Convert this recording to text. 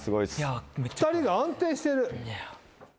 ２人が安定してる。